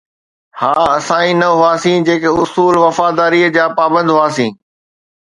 ها، اسان ئي نه هئاسين، جيڪي اصول وفاداريءَ جا پابند هئاسين